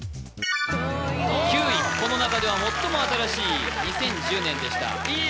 ９位この中では最も新しい２０１０年でした